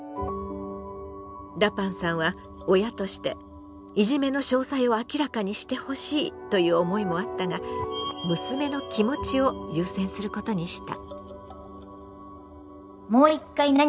ラパンさんは親として「いじめの詳細を明らかにしてほしい」という思いもあったが娘の気持ちを優先することにした。